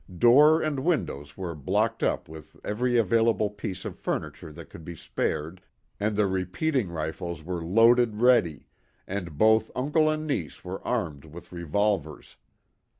Door and windows were blocked up with every available piece of furniture that could be spared, and the repeating rifles were loaded ready, and both uncle and niece were armed with revolvers.